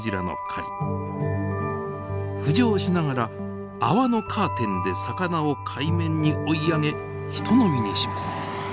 浮上しながら泡のカーテンで魚を海面に追い上げひとのみにします。